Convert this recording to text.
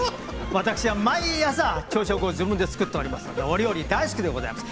私は毎日朝食を自分で作っております、お料理大好きでございます。